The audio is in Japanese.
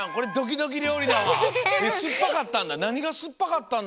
えっすっぱかったんだ？